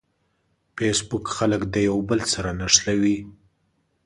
فېسبوک خلک د یوه بل سره نښلوي.